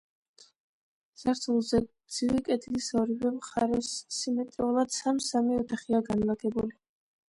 სართულზე, გრძივი კედლის ორივე მხარეს, სიმეტრიულად, სამ-სამი ოთახია განლაგებული.